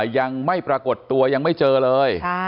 ยังไม่ปรากฏตัวยังไม่เจอเลย